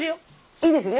いいですよね